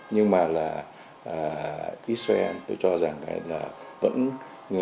nhưng mà israel tôi cho rằng là vẫn